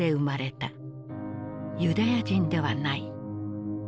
ユダヤ人ではない。